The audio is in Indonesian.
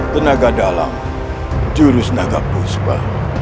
tenaga dalam jurus naga puspa